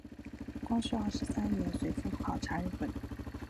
光绪三十二年随父考察日本。